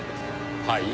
はい？